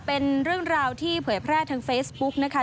เป็นเรื่องราวที่เผยแพร่ทางเฟซบุ๊กนะคะ